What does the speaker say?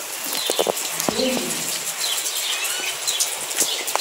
Gani.